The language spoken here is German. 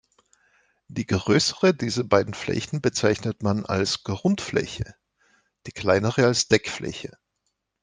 Die größere dieser beiden Flächen bezeichnet man als "Grundfläche", die kleinere als "Deckfläche".